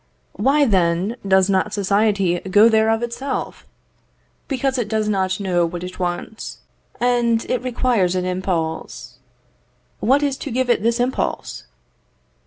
Why, then, does not society go there of itself? Because it does not know what it wants, and it requires an impulse. What is to give it this impulse?